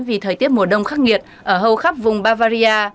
vì thời tiết mùa đông khắc nghiệt ở hầu khắp vùng bavaria